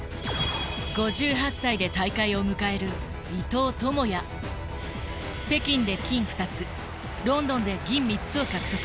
５８歳で大会を迎える北京で金２つロンドンで銀３つを獲得。